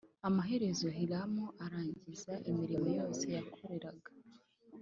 Amaherezo Hiramu arangiza imirimo yose yakoreraga